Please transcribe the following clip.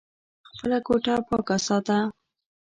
خپله کوټه پاکه ساته !